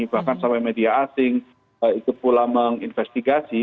bahkan sampai media asing ikut pula menginvestigasi